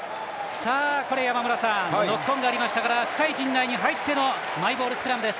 山村さん、ノックオンがありましたから、深い陣内に入ってのマイボールスクラムです。